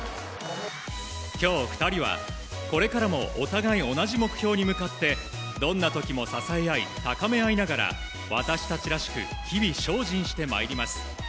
今日２人は、これからもお互い同じ目標に向かってどんな時も支え合い高め合いながら私たちらしく日々精進してまいります。